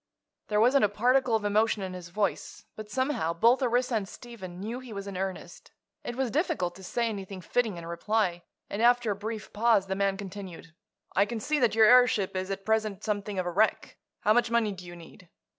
There wasn't a particle of emotion in his voice, but somehow both Orissa and Stephen knew he was in earnest. It was difficult to say anything fitting in reply, and after a brief pause the man continued: "I can see that your airship is at present something of a wreck. How much money do you need?"